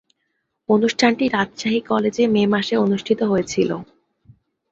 অনুষ্ঠানটি রাজশাহী কলেজে মে মাসে অনুষ্ঠিত হয়েছিলো।